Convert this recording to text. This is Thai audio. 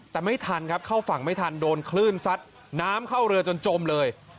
แต่ไม่ทันครับเข้าฝั่งไม่ทันโดนคลื่นซัดน้ำเข้าเรือจนจมเลย